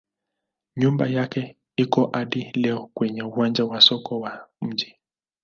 Nyumba yake iko hadi leo kwenye uwanja wa soko wa mji.